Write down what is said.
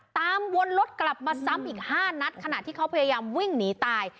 วนรถกลับมาซ้ำอีก๕นัดขณะที่เขาพยายามวิ่งหนีตาย